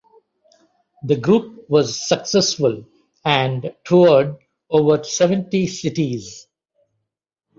The group was successful and toured over seventy cities.